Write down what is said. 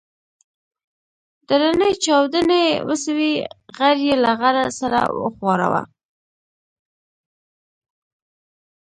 درنې چاودنې وسوې غر يې له غره سره وښوراوه.